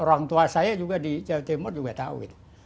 orang tua saya juga di jawa timur juga tahu itu